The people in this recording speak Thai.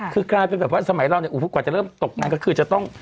คือกลายเป็นแบบว่าสมัยเราเนี่ยกว่าจะเริ่มตกงานก็คือจะต้อง